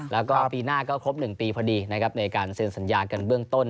แล้วก็ปีหน้าก็ครบ๑ปีพอดีนะครับในการเซ็นสัญญากันเบื้องต้น